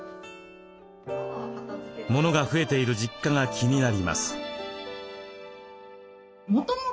物が増えている実家が気になります。